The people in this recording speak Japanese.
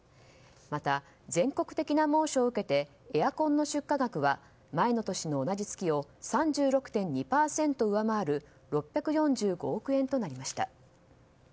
また、全国的な猛暑を受けてエアコンの出荷額は前の年の同じ月を３６．２％上回る６４５億円となりました。